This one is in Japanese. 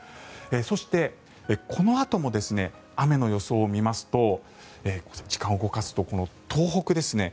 そして、このあとも雨の予想を見ますと時間を動かすと、東北ですね。